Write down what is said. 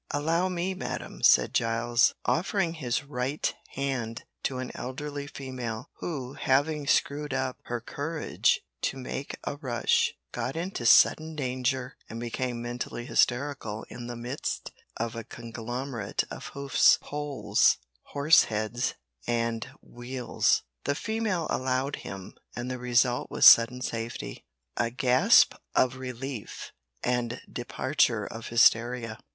"Allow me, madam," said Giles, offering his right hand to an elderly female, who, having screwed up her courage to make a rush, got into sudden danger and became mentally hysterical in the midst of a conglomerate of hoofs, poles, horse heads, and wheels. The female allowed him, and the result was sudden safety, a gasp of relief, and departure of hysteria.